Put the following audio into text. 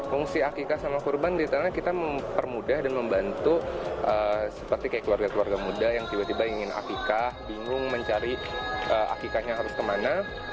fungsi akikah sama kurban di tanah kita mempermudah dan membantu seperti keluarga keluarga muda yang tiba tiba ingin akikah bingung mencari akikahnya harus kemana